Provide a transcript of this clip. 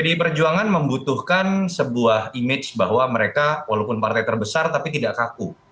pdi perjuangan membutuhkan sebuah image bahwa mereka walaupun partai terbesar tapi tidak kaku